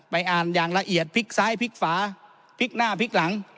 ไปอ่านอย่างละเอียดฟิกซ้ายฟิกฝาฟิกหน้าฟิกหลัง